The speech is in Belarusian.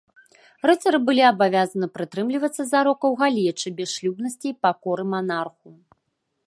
Рыцары былі абавязаны прытрымлівацца зарокаў галечы, бясшлюбнасці і пакоры манарху.